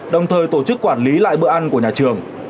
đồng thời tổ chức quản lý lại bữa ăn của nhà trường